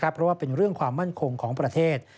เพราะว่าเป็นเรื่องความมั่นคงของประเทศ